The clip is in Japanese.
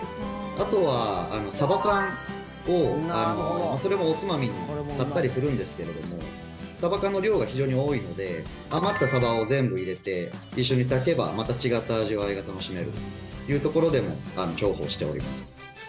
あとはサバ缶を、おつまみで買ったりするんですけどサバ缶の量が非常に多いので余ったサバを全部入れて一緒に炊けばまた違った味わいが楽しめるというところでも重宝しております。